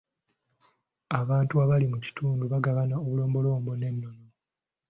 Abantu abali mu kitundu bagabana obulombolombo n'ennono.